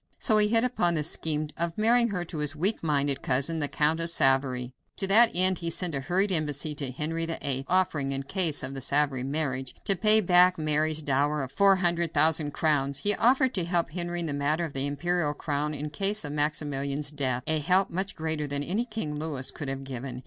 So he hit upon the scheme of marrying her to his weak minded cousin, the Count of Savoy. To that end he sent a hurried embassy to Henry VIII, offering, in case of the Savoy marriage, to pay back Mary's dower of four hundred thousand crowns. He offered to help Henry in the matter of the imperial crown in case of Maximilian's death a help much greater than any King Louis could have given.